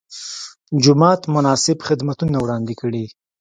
جومات مناسب خدمتونه وړاندې کړي.